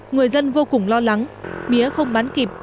người dân vô cùng lo lắng mía không bán kịp